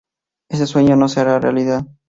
Ese sueño no se hará realidad.